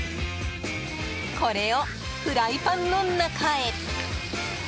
これをフライパンの中へ。